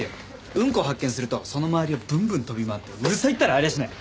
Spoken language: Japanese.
うんこ発見するとその周りをブンブン飛び回ってうるさいったらありゃしない！